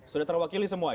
sudah terwakili semua ya